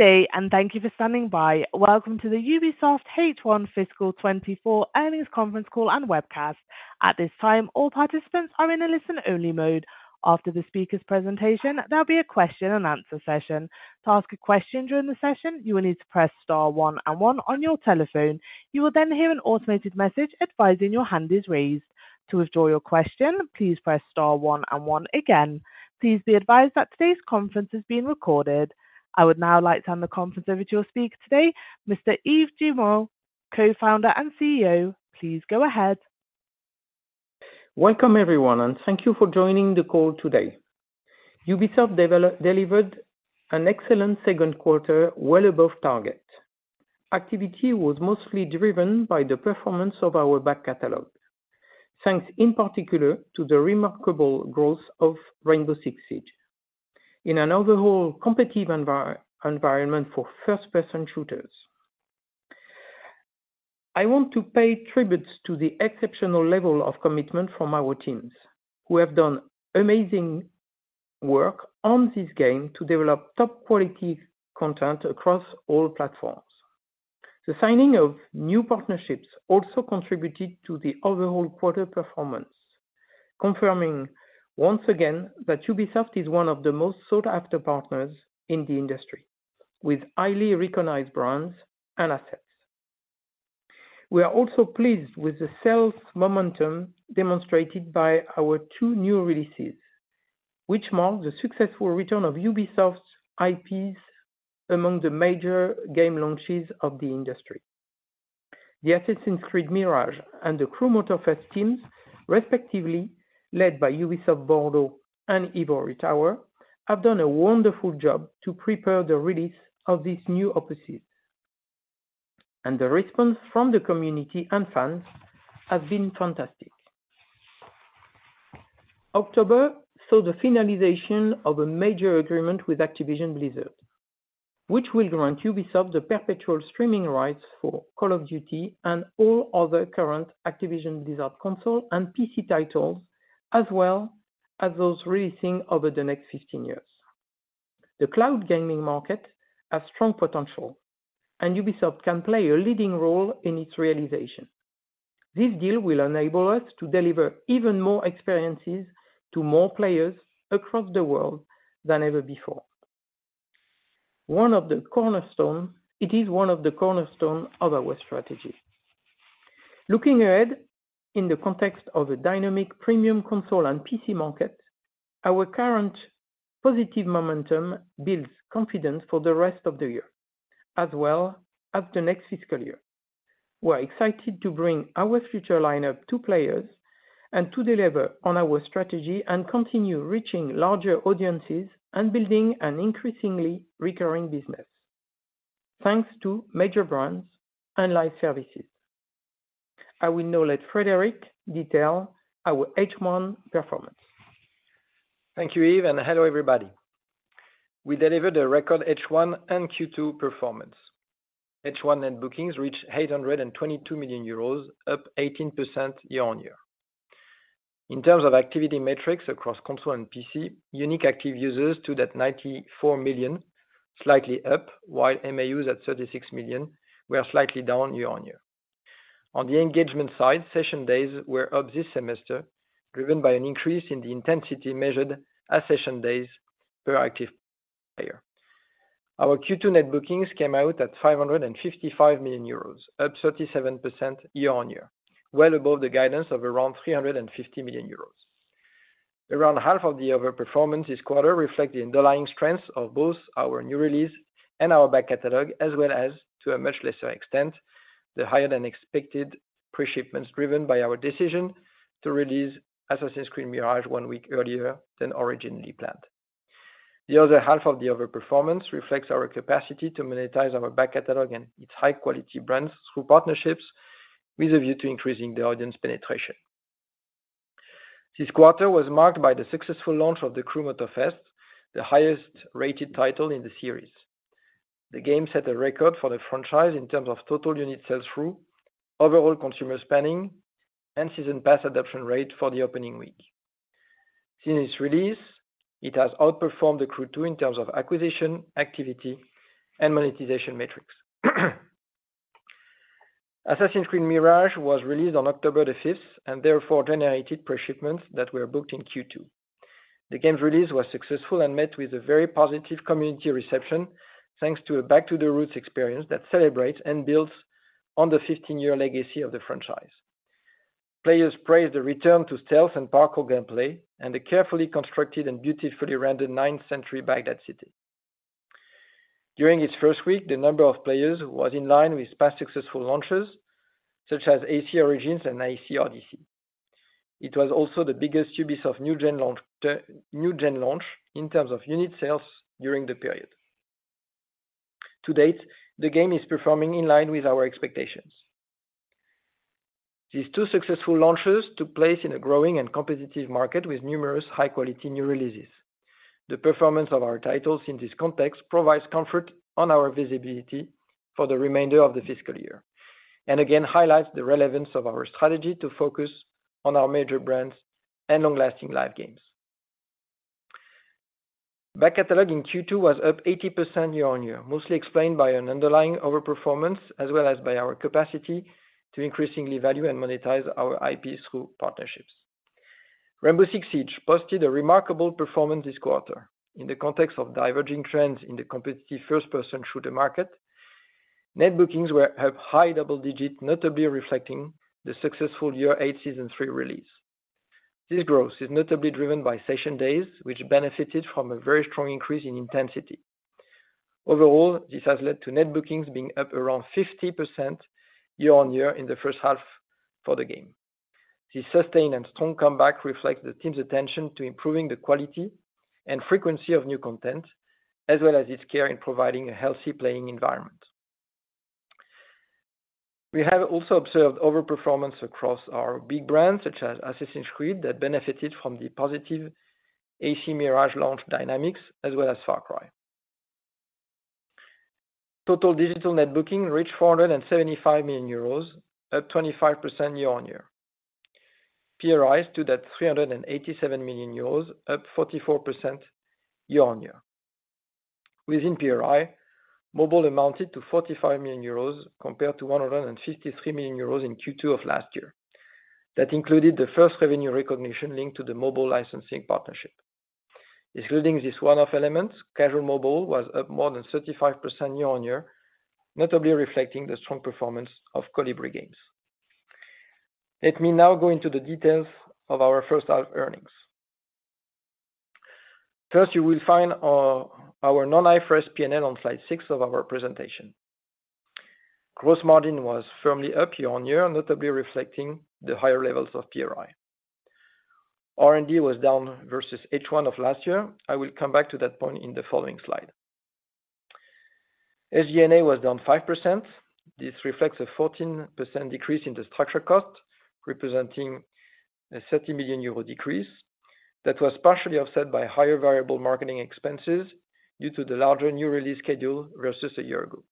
Good day, and thank you for standing by. Welcome to the Ubisoft H1 Fiscal 2024 Earnings Conference Call and Webcast. At this time, all participants are in a listen-only mode. After the speaker's presentation, there'll be a question and answer session. To ask a question during the session, you will need to press star one and one on your telephone. You will then hear an automated message advising your hand is raised. To withdraw your question, please press star one and one again. Please be advised that today's conference is being recorded. I would now like to turn the conference over to your speaker today, Mr. Yves Guillemot, Co-founder and CEO. Please go ahead. Welcome, everyone, and thank you for joining the call today. Ubisoft delivered an excellent second quarter, well above target. Activity was mostly driven by the performance of our back catalog, thanks in particular to the remarkable growth of Rainbow Six Siege. In an overall competitive environment for first-person shooters, I want to pay tribute to the exceptional level of commitment from our teams, who have done amazing work on this game to develop top quality content across all platforms. The signing of new partnerships also contributed to the overall quarter performance, confirming once again that Ubisoft is one of the most sought-after partners in the industry, with highly recognized brands and assets. We are also pleased with the sales momentum demonstrated by our two new releases, which mark the successful return of Ubisoft's IPs among the major game launches of the industry. The Assassin's Creed Mirage and The Crew Motorfest teams, respectively, led by Ubisoft Bordeaux and Ivory Tower, have done a wonderful job to prepare the release of these new opuses, and the response from the community and fans has been fantastic. October saw the finalization of a major agreement with Activision Blizzard, which will grant Ubisoft the perpetual streaming rights for Call of Duty and all other current Activision Blizzard console and PC titles, as well as those releasing over the next 15 years. The cloud gaming market has strong potential, and Ubisoft can play a leading role in its realization. This deal will enable us to deliver even more experiences to more players across the world than ever before. One of the cornerstone-- It is one of the cornerstone of our strategy. Looking ahead, in the context of a dynamic premium console and PC market, our current positive momentum builds confidence for the rest of the year as well as the next fiscal year. We're excited to bring our future lineup to players and to deliver on our strategy and continue reaching larger audiences and building an increasingly recurring business, thanks to major brands and live services. I will now let Frédérick detail our H1 performance. Thank you, Yves, and hello, everybody. We delivered a record H1 and Q2 performance. H1 net bookings reached EUR 822 million, up 18% year-on-year. In terms of activity metrics across console and PC, unique active users stood at 94 million, slightly up, while MAUs at 36 million were slightly down year-on-year. On the engagement side, session days were up this semester, driven by an increase in the intensity measured as session days per active player. Our Q2 net bookings came out at 555 million euros, up 37% year-on-year, well above the guidance of around 350 million euros. Around half of the overperformance this quarter reflect the underlying strengths of both our new release and our back catalog, as well as, to a much lesser extent, the higher-than-expected pre-shipments, driven by our decision to release Assassin's Creed Mirage one week earlier than originally planned. The other half of the overperformance reflects our capacity to monetize our back catalog and its high-quality brands through partnerships, with a view to increasing the audience penetration. This quarter was marked by the successful launch of The Crew Motorfest, the highest-rated title in the series. The game set a record for the franchise in terms of total unit sales through, overall consumer spending, and season pass adoption rate for the opening week. Since its release, it has outperformed The Crew 2 in terms of acquisition, activity, and monetization metrics. Assassin's Creed Mirage was released on October the 5th, and therefore generated pre-shipments that were booked in Q2. The game's release was successful and met with a very positive community reception, thanks to a back-to-the-roots experience that celebrates and builds on the 15-year legacy of the franchise. Players praised the return to stealth and parkour gameplay and the carefully constructed and beautifully rendered ninth-century Baghdad city. During its first week, the number of players was in line with past successful launches, such as AC Origins and AC Odyssey. It was also the biggest Ubisoft new Gen launch, New Gen launch in terms of unit sales during the period. To date, the game is performing in line with our expectations. These two successful launches took place in a growing and competitive market with numerous high-quality new releases. The performance of our titles in this context provides comfort on our visibility for the remainder of the fiscal year, and again, highlights the relevance of our strategy to focus on our major brands and long-lasting live games. Back catalog in Q2 was up 80% year-on-year, mostly explained by an underlying overperformance, as well as by our capacity to increasingly value and monetize our IPs through partnerships. Rainbow Six Siege posted a remarkable performance this quarter. In the context of diverging trends in the competitive first-person shooter market, net bookings were up high double digits, notably reflecting the successful year eight, season three release. This growth is notably driven by session days, which benefited from a very strong increase in intensity. Overall, this has led to net bookings being up around 50% year-on-year in the first half for the game. This sustained and strong comeback reflects the team's attention to improving the quality and frequency of new content, as well as its care in providing a healthy playing environment. We have also observed overperformance across our big brands, such as Assassin's Creed, that benefited from the positive AC Mirage launch dynamics, as well as Far Cry. Total digital net booking reached 475 million euros, up 25% year-on-year. PRI stood at 387 million euros, up 44% year-on-year. Within PRI, mobile amounted to 45 million euros, compared to 153 million euros in Q2 of last year. That included the first revenue recognition linked to the mobile licensing partnership. Excluding this one-off element, casual mobile was up more than 35% year-on-year, notably reflecting the strong performance of Colibri Games. Let me now go into the details of our first half earnings. First, you will find our non-IFRS P&L on slide six of our presentation. Gross margin was firmly up year-on-year, notably reflecting the higher levels of PRI. R&D was down versus H1 of last year. I will come back to that point in the following slide. SG&A was down 5%. This reflects a 14% decrease in the structure cost, representing a 30 million euro decrease, that was partially offset by higher variable marketing expenses due to the larger new release schedule versus a year ago.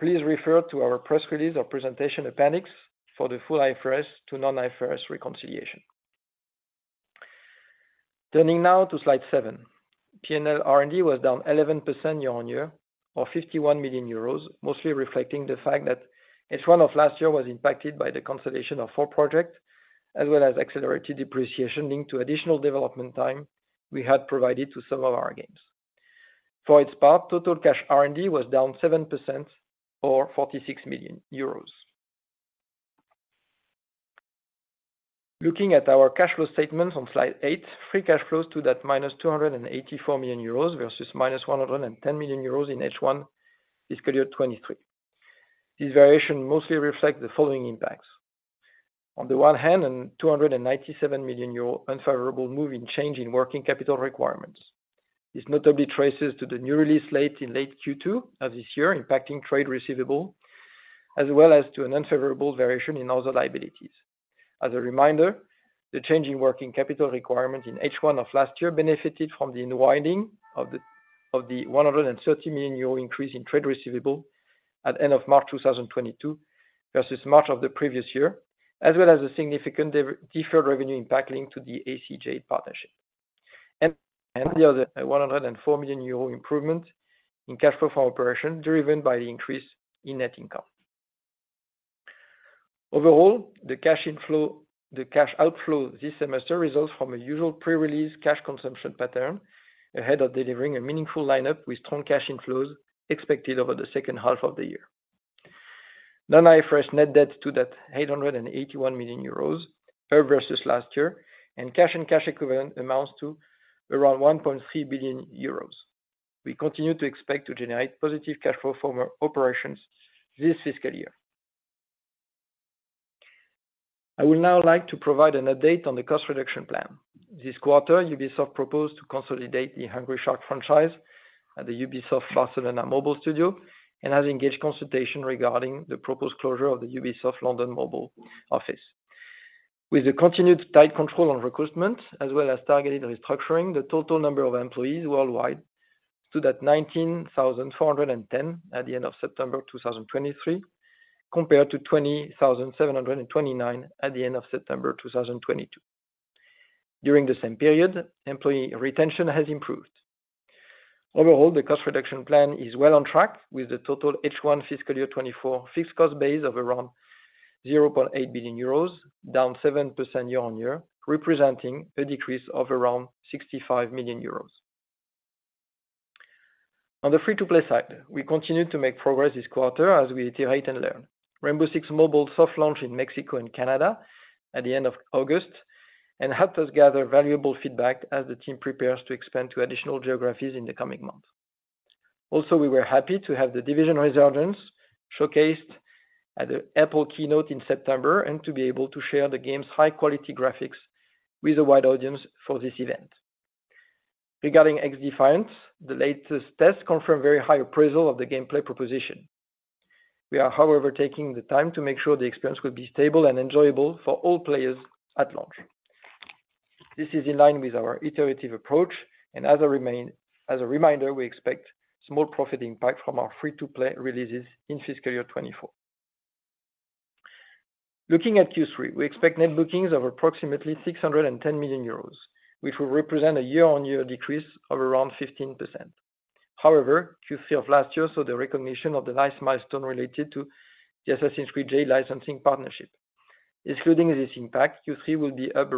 Please refer to our press release or presentation appendix for the full IFRS to non-IFRS reconciliation. Turning now to slide seven. P&L R&D was down 11% year-on-year, or 51 million euros, mostly reflecting the fact that H1 of last year was impacted by the consolidation of four projects, as well as accelerated depreciation linked to additional development time we had provided to some of our games. For its part, total cash R&D was down 7% or 46 million euros. Looking at our cash flow statements on Slide eight, free cash flow stood at -284 million euros, versus -110 million euros in H1, fiscal year 2023. This variation mostly reflect the following impacts. On the one hand, a 297 million euro unfavorable move in change in working capital requirements. This notably traces to the new release late in Q2 of this year, impacting trade receivable, as well as to an unfavorable variation in other liabilities. As a reminder, the change in working capital requirement in H1 of last year benefited from the unwinding of the, of the 130 million euro increase in trade receivable at end of March 2022, versus March of the previous year, as well as a significant deferred revenue impact linked to the AC Jade partnership. And the other 104 million euro improvement in cash flow from operation, driven by the increase in net income. Overall, the cash inflow, the cash outflow this semester results from a usual pre-release cash consumption pattern, ahead of delivering a meaningful lineup with strong cash inflows expected over the second half of the year. Non-IFRS net debt stood at 881 million euros, up versus last year, and cash and cash equivalent amounts to around 1.3 billion euros. We continue to expect to generate positive cash flow from our operations this fiscal year. I would now like to provide an update on the cost reduction plan. This quarter, Ubisoft proposed to consolidate the Hungry Shark franchise at the Ubisoft Barcelona Mobile Studio, and has engaged consultation regarding the proposed closure of the Ubisoft London Mobile office. With the continued tight control on recruitment, as well as targeted restructuring, the total number of employees worldwide stood at 19,410 at the end of September 2023, compared to 20,729 at the end of September 2022. During the same period, employee retention has improved. Overall, the cost reduction plan is well on track, with the total H1 fiscal year 2024 fixed cost base of around 0.8 billion euros, down 7% year-on-year, representing a decrease of around 65 million euros. On the free-to-play side, we continue to make progress this quarter as we iterate and learn. Rainbow Six Mobile soft launched in Mexico and Canada at the end of August and helped us gather valuable feedback as the team prepares to expand to additional geographies in the coming months. Also, we were happy to have The Division Resurgence showcased at the Apple keynote in September, and to be able to share the game's high-quality graphics with a wide audience for this event. Regarding XDefiant, the latest tests confirm very high appraisal of the gameplay proposition. We are, however, taking the time to make sure the experience will be stable and enjoyable for all players at launch. This is in line with our iterative approach, and as a reminder, we expect small profit impact from our free-to-play releases in fiscal year 2024.... Looking at Q3, we expect net bookings of approximately 610 million euros, which will represent a year-on-year decrease of around 15%. However, Q3 of last year saw the recognition of the nice milestone related to the Assassin's Creed Jade licensing partnership. Excluding this impact, Q3 will be up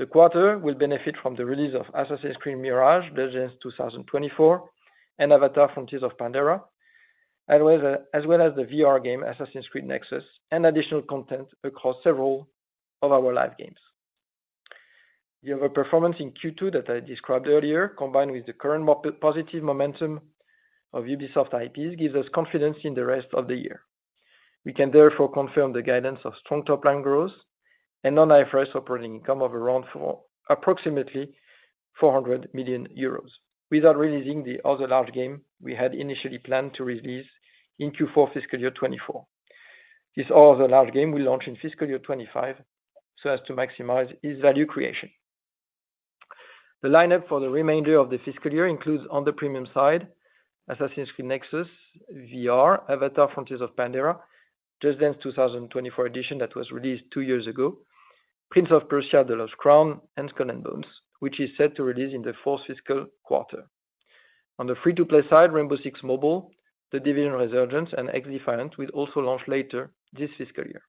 around 30%. The quarter will benefit from the release of Assassin's Creed Mirage, Just Dance 2024, and Avatar: Frontiers of Pandora, as well, as well as the VR game, Assassin's Creed Nexus, and additional content across several of our live games. We have a performance in Q2 that I described earlier, combined with the current positive momentum of Ubisoft IPs, gives us confidence in the rest of the year. We can therefore confirm the guidance of strong top-line growth and non-IFRS operating income of around for approximately 400 million euros. Without releasing the other large game we had initially planned to release in Q4 fiscal year 2024. This other large game will launch in fiscal year 2025, so as to maximize its value creation. The lineup for the remainder of the fiscal year includes on the premium side, Assassin's Creed Nexus VR, Avatar: Frontiers of Pandora, Just Dance 2024 Edition that was released two years ago, Prince of Persia: The Lost Crown, and Skull and Bones, which is set to release in the fourth fiscal quarter. On the free-to-play side, Rainbow Six Mobile, The Division Resurgence, and XDefiant will also launch later this fiscal year.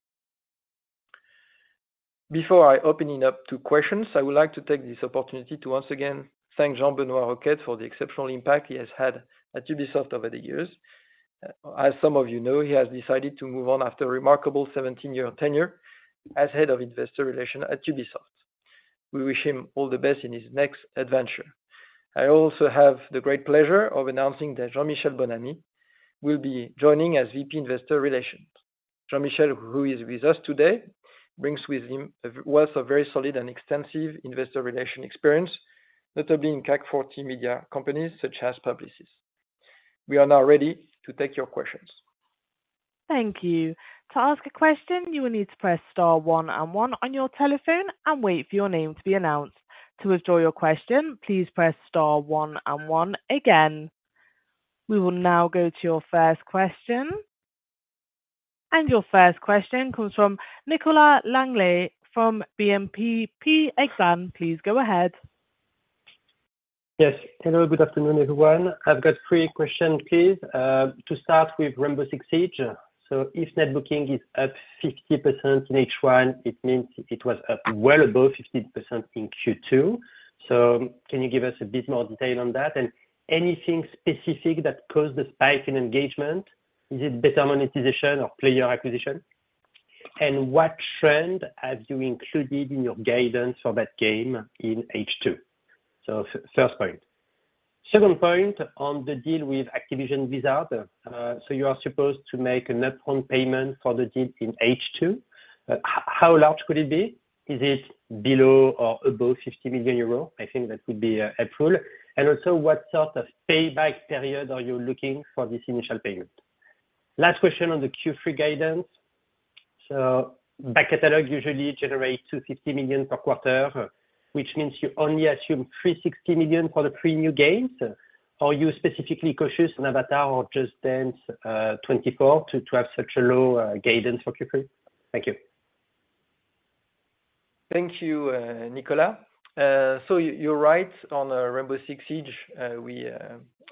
Before I open it up to questions, I would like to take this opportunity to once again thank Jean-Benoit Roquette for the exceptional impact he has had at Ubisoft over the years. As some of you know, he has decided to move on after a remarkable 17-year tenure as head of investor relations at Ubisoft. We wish him all the best in his next adventure. I also have the great pleasure of announcing that Jean-Michel Bonamy will be joining as VP Investor Relations. Jean-Michel, who is with us today, brings with him a wealth of very solid and extensive investor relations experience, notably in CAC 40 media companies such as Publicis. We are now ready to take your questions. Thank you. To ask a question, you will need to press star one and one on your telephone and wait for your name to be announced. To withdraw your question, please press star one and one again. We will now go to your first question. Your first question comes from Nicolas Langlet from BNP Paribas Exane. Please go ahead. Yes. Hello, good afternoon, everyone. I've got three questions, please. To start with Rainbow Six Siege. If net bookings is up 50% in H1, it means it was up well above 50% in Q2. Can you give us a bit more detail on that? Anything specific that caused the spike in engagement? Is it better monetization or player acquisition? What trend have you included in your guidance for that game in H2? First point. Second point, on the deal with Activision Blizzard, you are supposed to make an upfront payment for the deal in H2. How large could it be? Is it below or above 50 million euro? I think that would be helpful. Also, what sort of payback period are you looking for this initial payment? Last question on the Q3 guidance. Back catalog usually generates 250 million per quarter, which means you only assume 360 million for the three new games. Are you specifically cautious on Avatar or Just Dance 2024 to have such a low guidance for Q3? Thank you. Thank you, Nicolas. So you're right on Rainbow Six Siege. We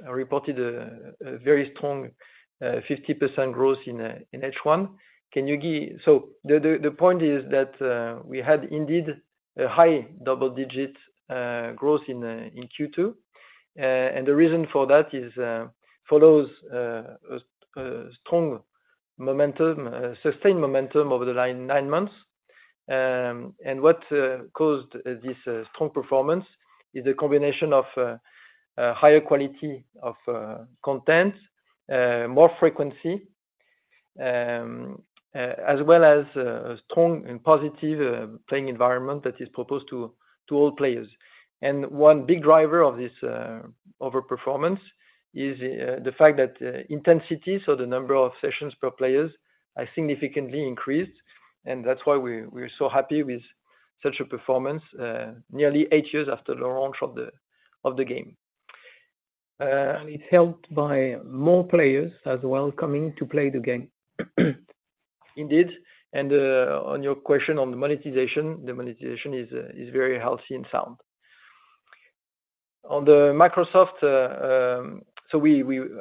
reported a very strong 50% growth in H1. So the point is that we had indeed a high double-digit growth in Q2. And the reason for that is follows strong momentum sustained momentum over the nine months. And what caused this strong performance is a combination of higher quality of content, more frequency, as well as a strong and positive playing environment that is proposed to all players. One big driver of this overperformance is the fact that intensity, so the number of sessions per player, has significantly increased, and that's why we're so happy with such a performance, nearly eight years after the launch of the game. It's helped by more players as well, coming to play the game. Indeed, and on your question on the monetization, the monetization is very healthy and sound. On the Microsoft,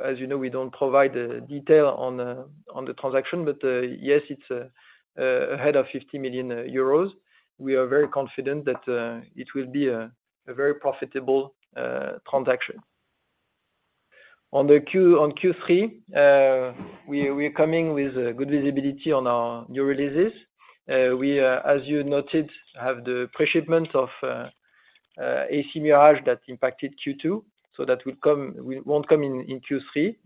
as you know, we don't provide detail on the transaction, but yes, it's ahead of 50 million euros. We are very confident that it will be a very profitable transaction. On Q3, we're coming with good visibility on our new releases. We, as you noted, have the pre-shipments of AC Mirage that impacted Q2, so that will come... we won't come in Q3.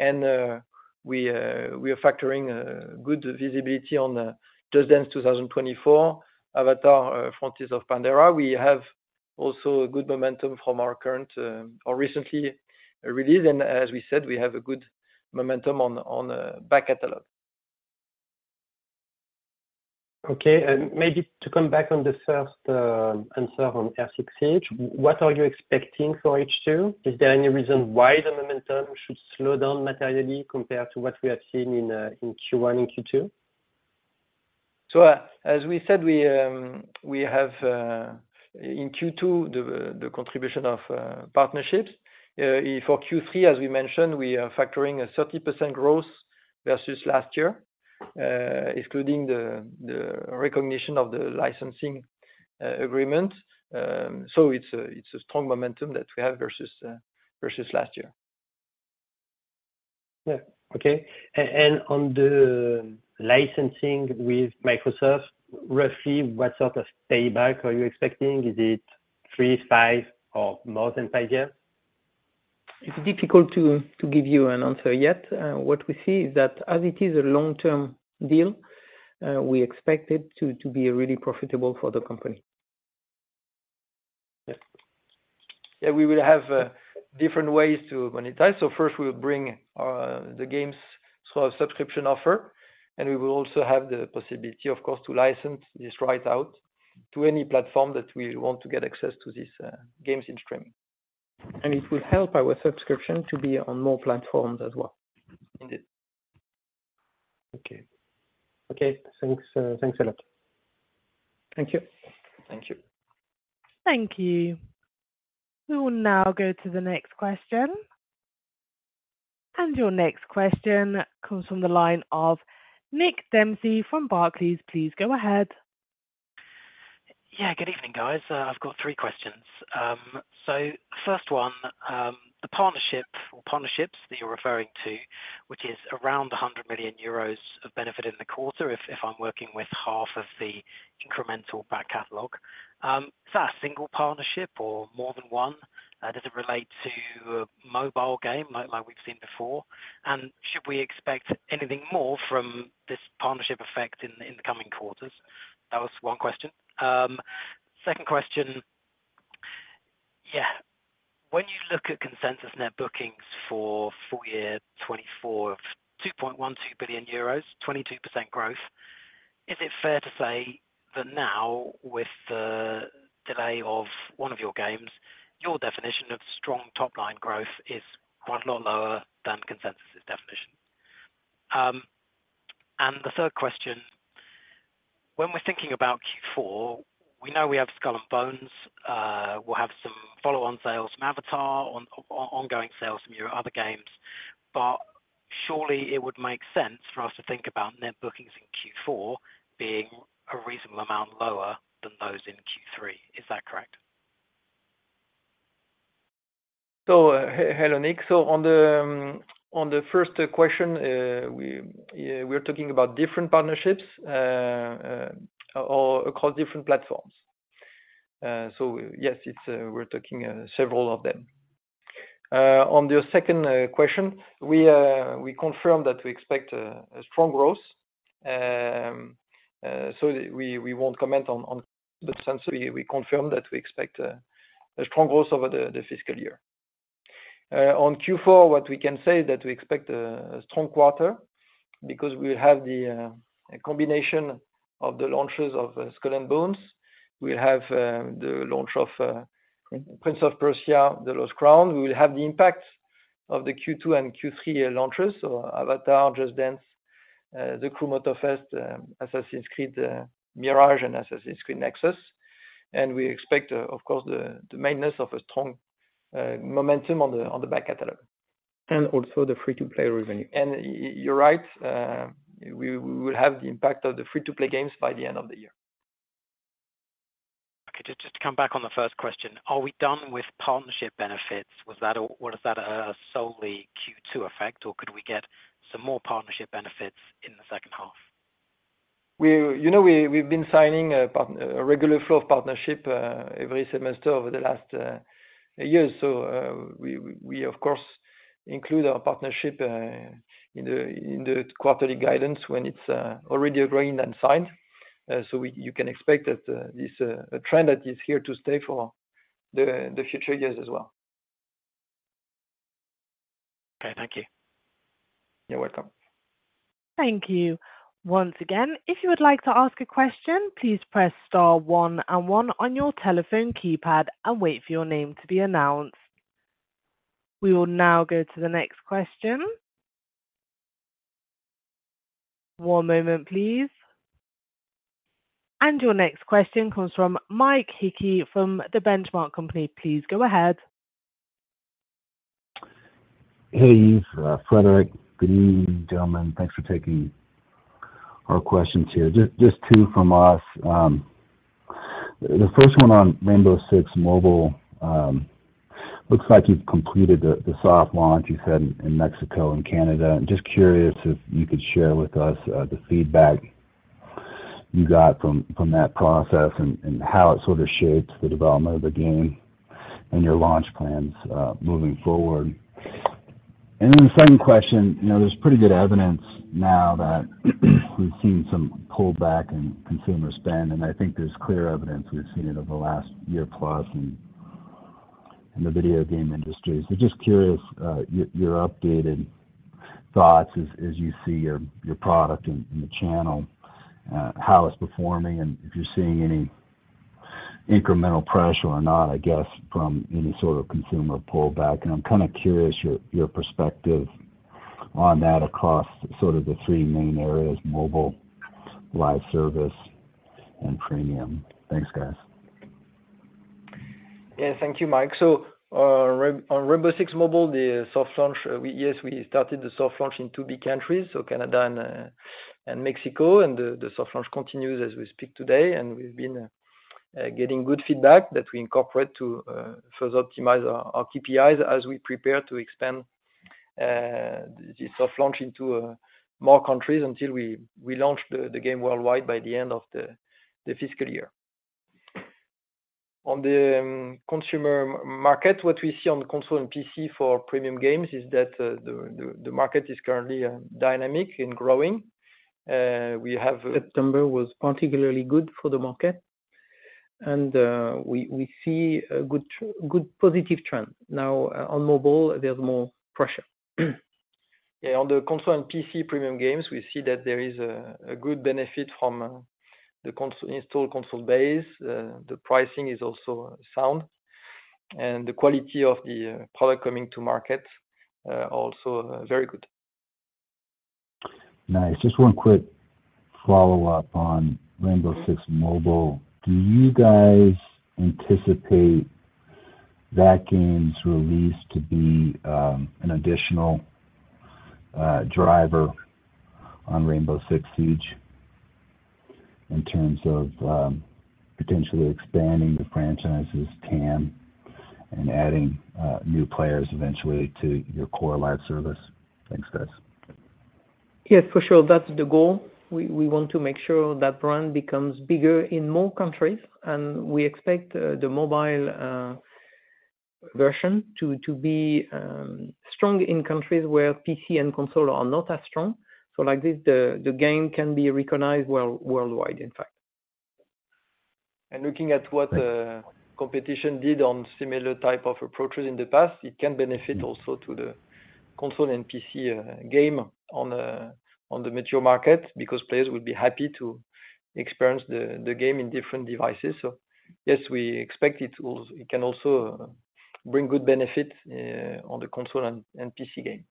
And we are factoring good visibility on Just Dance 2024, Avatar: Frontiers of Pandora. We have also a good momentum from our current or recently release, and as we said, we have a good momentum on back catalog.... Okay, and maybe to come back on the first answer on F6H, what are you expecting for H2? Is there any reason why the momentum should slow down materially compared to what we have seen in Q1 and Q2? So, as we said, we have in Q2 the contribution of partnerships. For Q3, as we mentioned, we are factoring a 30% growth versus last year, excluding the recognition of the licensing agreement. So it's a strong momentum that we have versus last year. Yeah. Okay. And on the licensing with Microsoft, roughly, what sort of payback are you expecting? Is it three, five, or more than five years? It's difficult to give you an answer yet. What we see is that as it is a long-term deal, we expect it to be really profitable for the company. Yeah. Yeah, we will have different ways to monetize. So first, we'll bring the games sort of subscription offer, and we will also have the possibility, of course, to license this right out to any platform that we want to get access to this games in streaming. It will help our subscription to be on more platforms as well. Indeed. Okay. Okay, thanks, thanks a lot. Thank you. Thank you. Thank you. We will now go to the next question. Your next question comes from the line of Nick Dempsey from Barclays. Please go ahead. Yeah, good evening, guys. I've got three questions. First one, the partnership or partnerships that you're referring to, which is around 100 million euros of benefit in the quarter, if I'm working with half of the incremental back catalog. Is that a single partnership or more than one? Does it relate to a mobile game, like we've seen before? Should we expect anything more from this partnership effect in the coming quarters? That was one question. Second question: yeah, when you look at consensus net bookings for full year 2024 of 2.12 billion euros, 22% growth, is it fair to say that now, with the delay of one of your games, your definition of strong top-line growth is quite a lot lower than consensus' definition? The third question, when we're thinking about Q4, we know we have Skull and Bones. We'll have some follow-on sales from Avatar, ongoing sales from your other games, but surely it would make sense for us to think about net bookings in Q4 being a reasonable amount lower than those in Q3. Is that correct? Hello, Nick. So on the first question, we're talking about different partnerships across different platforms. So yes, we're talking several of them. On your second question, we confirm that we expect a strong growth. So we won't comment on the sense, we confirm that we expect a strong growth over the fiscal year. On Q4, what we can say is that we expect a strong quarter because we have the combination of the launches of Skull and Bones. We have the launch of Prince of Persia: The Lost Crown. We will have the impact of the Q2 and Q3 launches, so Avatar, Just Dance, The Crew Motorfest, Assassin's Creed Mirage and Assassin's Creed Nexus. We expect, of course, the maintenance of a strong momentum on the Back Catalog. And also the free-to-play revenue. You're right, we will have the impact of the free-to-play games by the end of the year. Okay, just to come back on the first question, are we done with partnership benefits? Was that a solely Q2 effect, or could we get some more partnership benefits in the second half? You know, we've been signing a regular flow of partnership every semester over the last years. So, we of course include our partnership in the quarterly guidance when it's already agreed and signed. So you can expect that this trend that is here to stay for the future years as well. Okay. Thank you. You're welcome. Thank you. Once again, if you would like to ask a question, please press star one and one on your telephone keypad and wait for your name to be announced. We will now go to the next question. One moment, please. Your next question comes from Mike Hickey from The Benchmark Company. Please go ahead. Hey, Yves, Frédérick. Good evening, gentlemen. Thanks for taking our questions here. Just two from us. The first one on Rainbow Six Mobile, looks like you've completed the soft launch you said in Mexico and Canada. I'm just curious if you could share with us, the feedback you got from that process and how it sort of shapes the development of the game and your launch plans, moving forward. And then the second question, you know, there's pretty good evidence now that we've seen some pullback in consumer spend, and I think there's clear evidence we've seen it over the last year plus in the video game industry. So just curious, your updated thoughts as you see your product in the channel, how it's performing, and if you're seeing any incremental pressure or not, I guess, from any sort of consumer pullback. I'm kind of curious your perspective on that across sort of the three main areas: mobile, live service, and premium. Thanks, guys. Yeah. Thank you, Mike. So, on Rainbow Six Mobile, the soft launch, we... Yes, we started the soft launch in two big countries, so Canada and, and Mexico, and the soft launch continues as we speak today, and we've been getting good feedback that we incorporate to further optimize our KPIs as we prepare to expand the soft launch into more countries until we launch the game worldwide by the end of the fiscal year. On the consumer market, what we see on the console and PC for premium games is that the market is currently dynamic and growing. We have- September was particularly good for the market, and we see a good positive trend. Now, on mobile, there's more pressure. Yeah, on the console and PC premium games, we see that there is a good benefit from the installed console base. The pricing is also sound, and the quality of the product coming to market also very good. Nice. Just one quick follow-up on Rainbow Six Mobile: Do you guys anticipate that game's release to be, an additional, driver on Rainbow Six Siege in terms of, potentially expanding the franchise's TAM and adding, new players eventually to your core live service? Thanks, guys. Yes, for sure. That's the goal. We want to make sure that brand becomes bigger in more countries, and we expect the mobile version to be strong in countries where PC and console are not as strong. So like this, the game can be recognized worldwide, in fact. Looking at what competition did on similar type of approaches in the past, it can benefit also to the console and PC game on the mature market, because players would be happy to experience the game in different devices. So yes, we expect it can also bring good benefit on the console and PC game.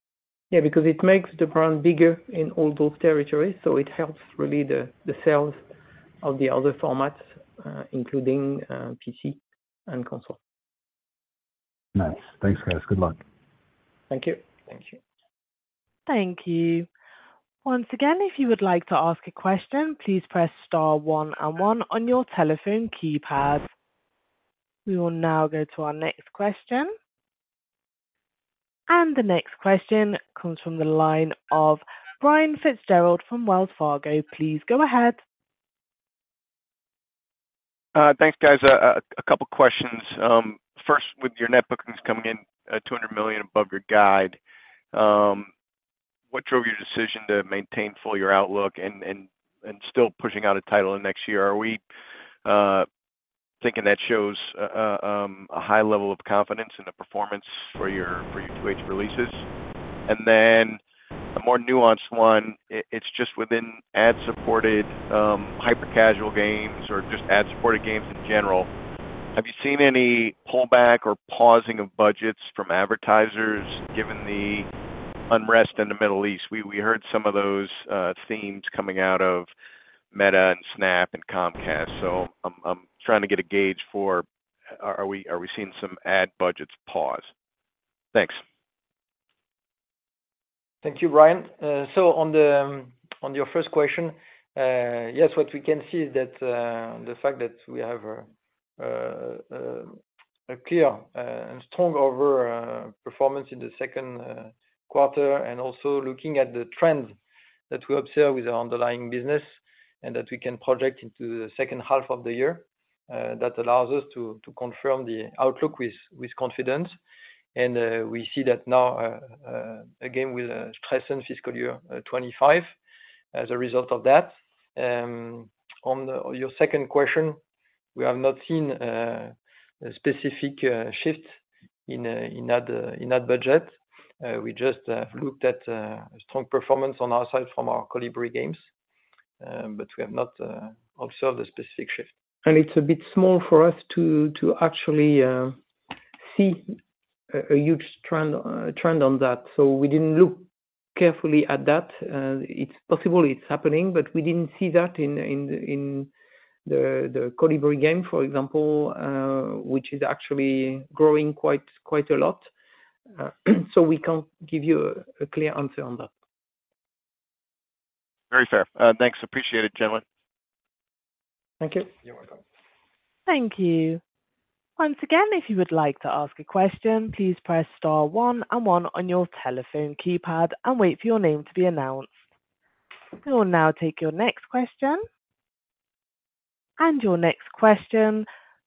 Yeah, because it makes the brand bigger in all those territories, so it helps really the sales of the other formats, including PC and console. Nice. Thanks, guys. Good luck. Thank you. Thank you. Thank you. Once again, if you would like to ask a question, please press star one and one on your telephone keypad. We will now go to our next question. The next question comes from the line of Brian FitzGerald from Wells Fargo. Please go ahead. Thanks, guys. A couple questions. First, with your net bookings coming in at 200 million above your guide, what drove your decision to maintain full year outlook and still pushing out a title in next year? Are we thinking that shows a high level of confidence in the performance for your two H releases? A more nuanced one, it's just within ad-supported hyper-casual games or just ad-supported games in general. Have you seen any pullback or pausing of budgets from advertisers, given the unrest in the Middle East? We heard some of those themes coming out of Meta and Snap and Comcast. I'm trying to get a gauge for are we seeing some ad budgets pause? Thanks. Thank you, Brian. So on the, on your first question, yes, what we can see is that, the fact that we have a, a clear, and strong overall, performance in the second, quarter, and also looking at the trends that we observe with the underlying business and that we can project into the second half of the year, that allows us to, to confirm the outlook with, with confidence. And, we see that now, again, with stress in fiscal year 25 as a result of that. On the... Your second question, we have not seen, a specific, shift in, in ad, in ad budget. We just have looked at, strong performance on our side from our Colibri Games, but we have not, observed a specific shift. It's a bit small for us to actually see a huge trend on that. So we didn't look carefully at that. It's possible it's happening, but we didn't see that in the Colibri game, for example, which is actually growing quite a lot. So we can't give you a clear answer on that. Very fair. Thanks, appreciate it, gentlemen. Thank you. You're welcome. Thank you. Once again, if you would like to ask a question, please press star one and one on your telephone keypad and wait for your name to be announced. We will now take your next question. And your next question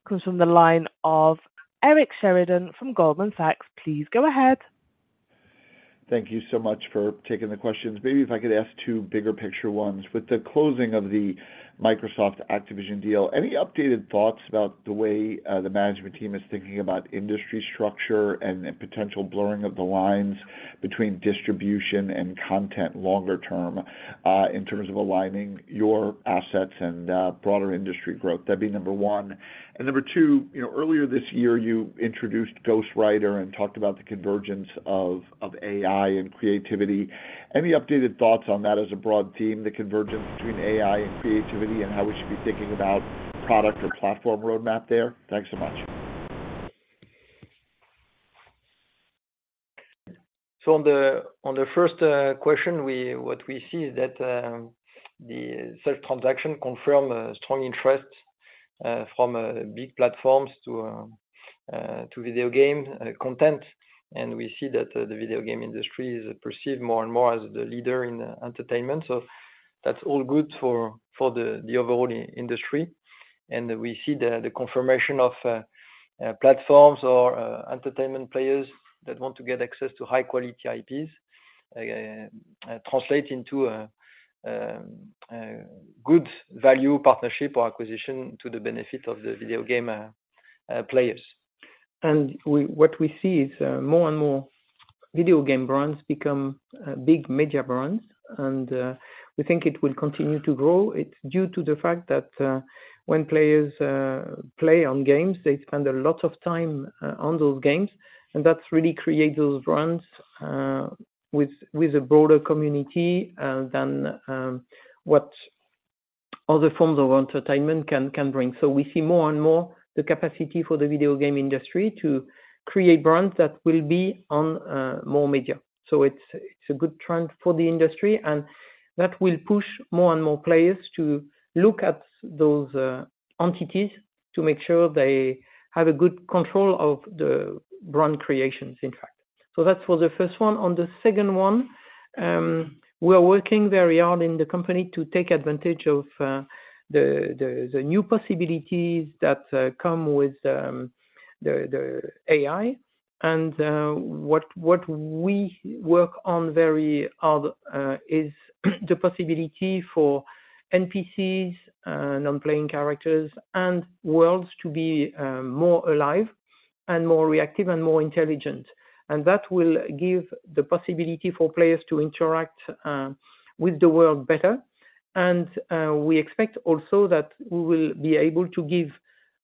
comes from the line of Eric Sheridan from Goldman Sachs. Please go ahead. ...Thank you so much for taking the questions. Maybe if I could ask two bigger picture ones. With the closing of the Microsoft Activision deal, any updated thoughts about the way the management team is thinking about industry structure and potential blurring of the lines between distribution and content longer term, in terms of aligning your assets and broader industry growth? That'd be number one. And number two, you know, earlier this year, you introduced Ghostwriter and talked about the convergence of AI and creativity. Any updated thoughts on that as a broad theme, the convergence between AI and creativity, and how we should be thinking about product or platform roadmap there? Thanks so much. So on the first question, what we see is that the sales transaction confirm a strong interest from big platforms to video game content. And we see that the video game industry is perceived more and more as the leader in entertainment. So that's all good for the overall industry. And we see the confirmation of platforms or entertainment players that want to get access to high-quality IPs translate into a good value partnership or acquisition to the benefit of the video game players. What we see is more and more video game brands become big media brands, and we think it will continue to grow. It's due to the fact that when players play on games, they spend a lot of time on those games, and that really creates those brands with a broader community than what other forms of entertainment can bring. So we see more and more the capacity for the video game industry to create brands that will be on more media. So it's a good trend for the industry, and that will push more and more players to look at those entities, to make sure they have a good control of the brand creations, in fact. So that's for the first one. On the second one, we are working very hard in the company to take advantage of the new possibilities that come with the AI. What we work on very hard is the possibility for NPCs, Non-Playing Characters, and worlds to be more alive and more reactive and more intelligent. That will give the possibility for players to interact with the world better. We expect also that we will be able to give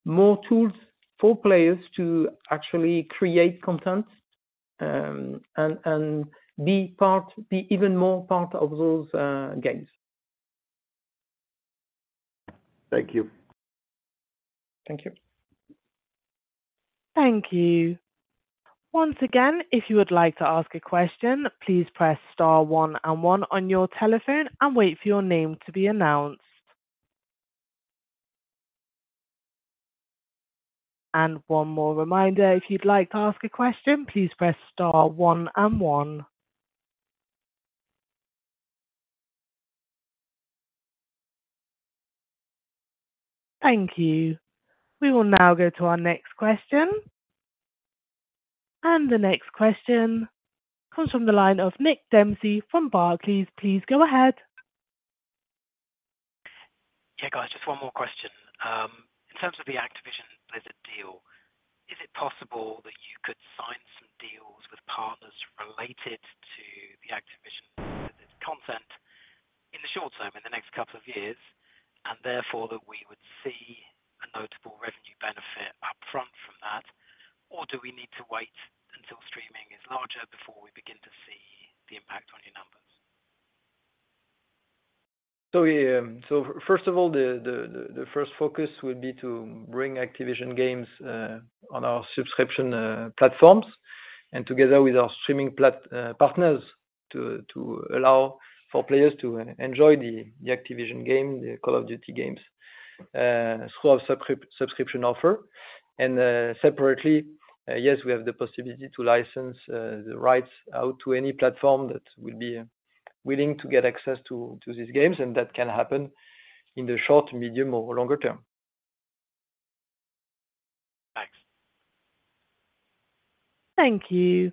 more tools for players to actually create content, and be even more part of those games. Thank you. Thank you. Thank you. Once again, if you would like to ask a question, please press star one and one on your telephone and wait for your name to be announced. And one more reminder, if you'd like to ask a question, please press star one and one. Thank you. We will now go to our next question. And the next question comes from the line of Nick Dempsey from Barclays. Please go ahead. Yeah, guys, just one more question. In terms of the Activision Blizzard deal, is it possible that you could sign some deals with partners related to the Activision Blizzard content in the short term, in the next couple of years, and therefore, that we would see a notable revenue benefit upfront from that? Or do we need to wait until streaming is larger before we begin to see the impact on your numbers? So first of all, the first focus will be to bring Activision games on our subscription platforms, and together with our streaming platform partners, to allow for players to enjoy the Activision game, the Call of Duty games, through our subscription offer. And separately, yes, we have the possibility to license the rights out to any platform that will be willing to get access to these games, and that can happen in the short, medium, or longer term. Thanks. Thank you.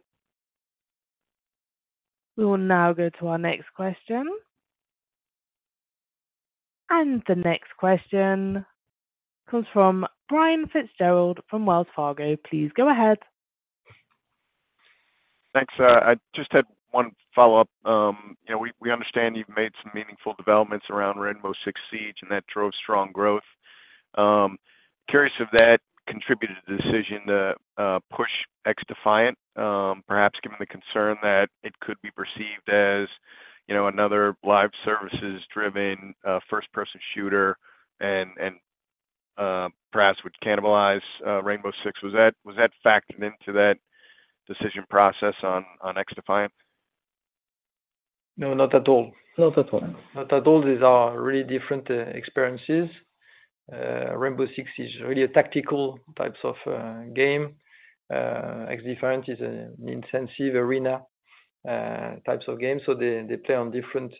We will now go to our next question. The next question comes from Brian Fitzgerald from Wells Fargo. Please go ahead. Thanks. I just had one follow-up. You know, we understand you've made some meaningful developments around Rainbow Six Siege, and that drove strong growth. Curious if that contributed to the decision to push XDefiant, perhaps given the concern that it could be perceived as, you know, another live services-driven first-person shooter and perhaps would cannibalize Rainbow Six. Was that factored into that decision process on XDefiant? No, not at all. Not at all. Not at all. These are really different experiences. Rainbow Six is really a tactical types of game. XDefiant is an intensive arena types of games, so they play on different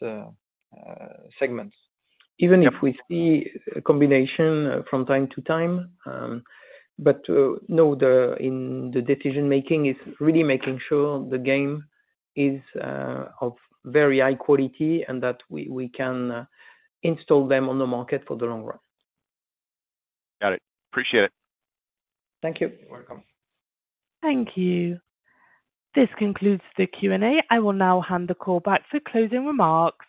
segments. Even if we see a combination from time to time, but in the decision-making, it's really making sure the game is of very high quality and that we can install them on the market for the long run. Got it. Appreciate it. Thank you. You're welcome. Thank you. This concludes the Q&A. I will now hand the call back for closing remarks.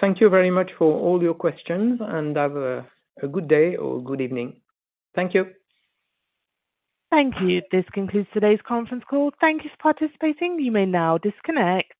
Thank you very much for all your questions, and have a good day or good evening. Thank you. Thank you. This concludes today's conference call. Thank you for participating. You may now disconnect.